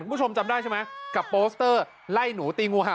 คุณผู้ชมจำได้ใช่ไหมกับโปสเตอร์ไล่หนูตีงูเห่า